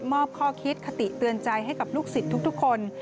มอบข้อคิดคติเตือนใจให้กับลูกศิษย์ทุกคน